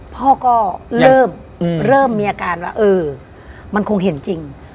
พ่อก็เริ่มมีอาการว่าเออมันคงเห็นจริง